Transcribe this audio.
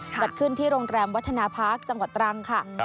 จัดขึ้นที่โรงแรมวัฒนาพักจังหวัดตรังค่ะ